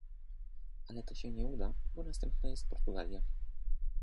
Ale to się nie uda, bo następna jest Portugalia